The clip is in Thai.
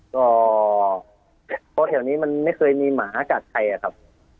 ก็เพราะแถวนี้มันไม่เคยมีหมากัดใครอะครับ